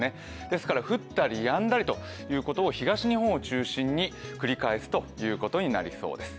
ですから降ったりやんだりということを東日本を中心に繰り返すということになりそうです。